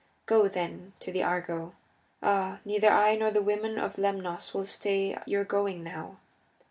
Go, then, to the Argo. Ah, neither I nor the women of Lemnos will stay your going now.